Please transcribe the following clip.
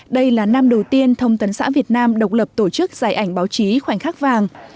đây là năm đầu tiên thông tấn xã việt nam độc lập tổ chức giải ảnh báo chí khoảnh khắc vàng